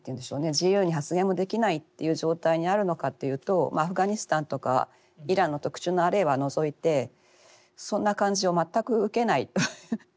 自由に発言もできないっていう状態にあるのかっていうとアフガニスタンとかイランの特殊な例は除いてそんな感じを全く受けないという。